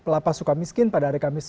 lapas suka miskin pada hari kamis